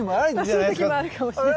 まあそういう時もあるかもしれない。